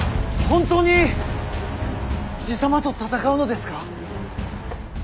本当に爺様と戦うのですか？